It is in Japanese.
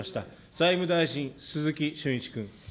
財務大臣、鈴木俊一君。